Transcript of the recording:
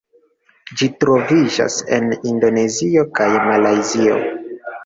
Ĝi troviĝas en Indonezio kaj Malajzio.